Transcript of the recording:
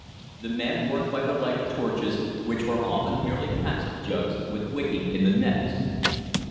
The men worked by the light of torches, which were often merely catsup jugs with wicking in the necks.